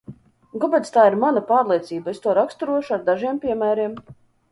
Un kāpēc tā ir mana pārliecība, es to raksturošu ar dažiem piemēriem.